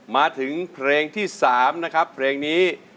มาถึงเพลงที่๓นะครับเพลงนี้